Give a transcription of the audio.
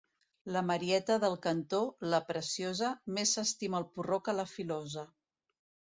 La Marieta del cantó, la preciosa, més s'estima el porró que la filosa.